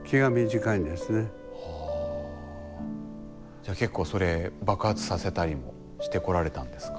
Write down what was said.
じゃ結構それ爆発させたりもしてこられたんですか。